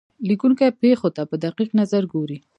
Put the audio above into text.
لیکونکی پېښو ته په دقیق نظر ګوري.